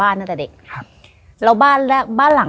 และยินดีต้อนรับทุกท่านเข้าสู่เดือนพฤษภาคมครับ